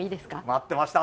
待ってました。